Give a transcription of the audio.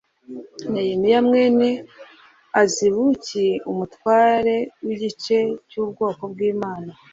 Nehemiya mwene Azibuki umutware w igice cyubwoko bw’imana.